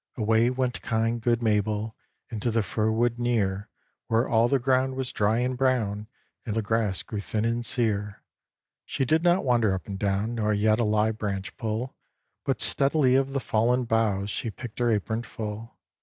Away went kind, good Mabel, Into the fir wood near, Where all the ground was dry and brown, And the grass grew thin and sear. She did not wander up and down, Nor yet a live branch pull, But steadily of the fallen boughs She picked her apron full.